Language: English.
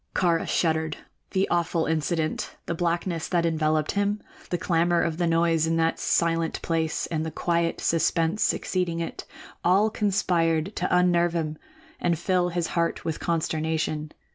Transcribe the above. Kāra shuddered. The awful incident, the blackness that enveloped him, the clamor of noise in that silent place and the quiet suspense succeeding it, all conspired to unnerve him and fill his heart with consternation.